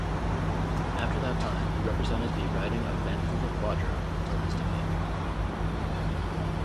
After that time, he represented the riding of Vancouver Quadra until his defeat.